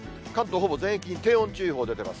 ほぼ全域に低温注意報出てます。